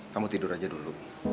kamu tidur aja dulu